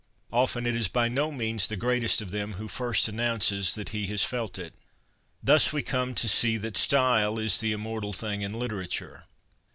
Often it is by no means the greatest of them who first announces that he has felt it.' Thus we come to see that style is the immortal thing in literature.